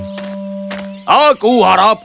dia mulai menyerangnya